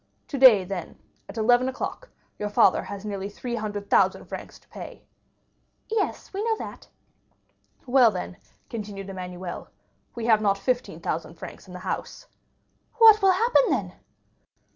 "Today, then, at eleven o'clock, your father has nearly three hundred thousand francs to pay?" "Yes, we know that." "Well, then," continued Emmanuel, "we have not fifteen thousand francs in the house." "What will happen then?"